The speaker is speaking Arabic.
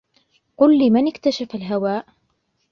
قل لي من اكتشف الهواء